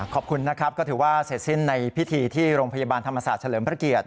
ขอบคุณนะครับก็ถือว่าเสร็จสิ้นในพิธีที่โรงพยาบาลธรรมศาสตร์เฉลิมพระเกียรติ